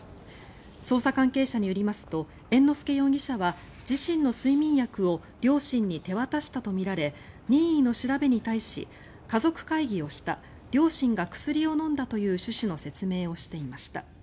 捜査関係者によりますと猿之助容疑者は自身の睡眠薬を両親に手渡したとみられ任意の調べに対し家族会議をした両親が薬を飲んだという趣旨の説明をしていました。